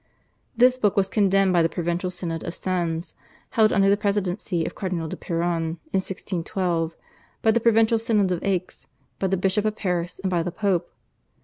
This book was condemned by the provincial Synod of Sens, held under the presidency of Cardinal Du Perron in 1612, by the provincial Synod of Aix, by the Bishop of Paris, and by the Pope.